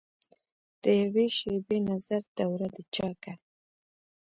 دیوي شیبي نظر دوره دچاکه